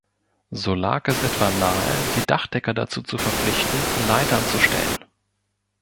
So lag es etwa nahe die Dachdecker dazu zu verpflichten Leitern zu stellen.